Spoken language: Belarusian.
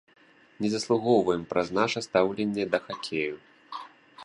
Не заслугоўваем праз наша стаўленне да хакею.